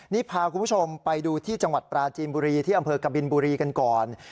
นี่พาคุณผู้ชมไปดูที่จังหวัดปราจีนบุรีที่อำเภอกบินบุรีกันก่อน